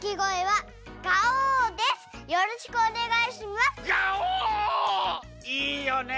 いいよね。